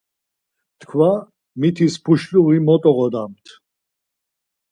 Tkva mitis puşluği mot oğodamt.